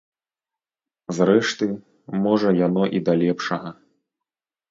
Зрэшты, можа яно і да лепшага.